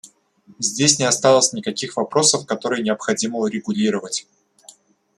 Здесь не осталось никаких вопросов, которые необходимо урегулировать.